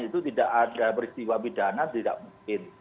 itu tidak ada peristiwa pidana tidak mungkin